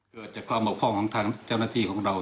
เกิดจากความบกพร่องของทางเจ้าหน้าที่ของเรา